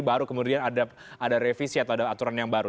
baru kemudian ada revisi atau ada aturan yang baru